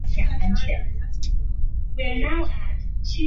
卡瓦略波利斯是巴西米纳斯吉拉斯州的一个市镇。